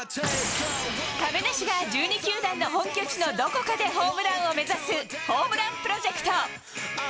亀梨が１２球団の本拠地のどこかでホームランを目指す、ホームランプロジェクト。